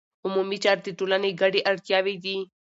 عمومي چارې د ټولنې ګډې اړتیاوې دي.